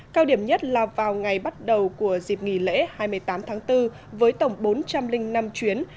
cao điểm nhất là vào ngày bắt đầu của dịp nghỉ lễ hai mươi tám tháng bốn với tổng bốn trăm linh năm chuyến